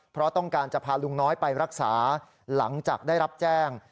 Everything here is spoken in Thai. เพราะต้องการจะพาลุงน้อยไปรักษาหลังจากได้รับแจ้ง